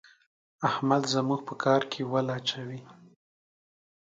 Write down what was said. احمد زموږ په کار کې ول اچوي.